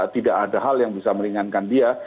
tidak ada hal yang bisa meringankan dia